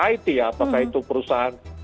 it ya apakah itu perusahaan